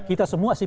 kita semua sih